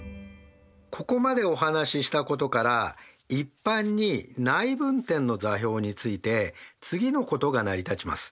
ここまでお話ししたことから一般に内分点の座標について次のことが成り立ちます。